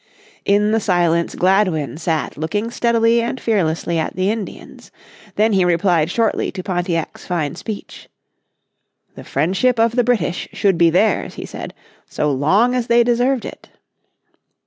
In the silence Gladwin sat looking steadily and fearlessly at the Indians. Then he replied shortly to Pontiac's fine speech, "The friendship of the British should be theirs," he said, "so long as they deserved it."